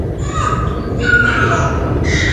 هون پوليس نا ٻڌائون تو.